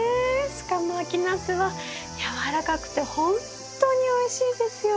しかも秋ナスは軟らかくてほんとにおいしいですよね！